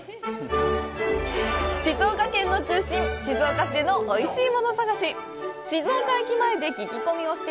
静岡県の中心、静岡市でおいしいもの探し。